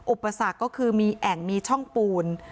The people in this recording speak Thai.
อุปสรรคก็คือมีแอ่งมีช่องปูน